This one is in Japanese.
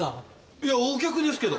いやお客ですけど。